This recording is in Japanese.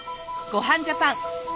『ごはんジャパン』